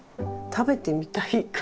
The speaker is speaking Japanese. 食べてみたいこれ。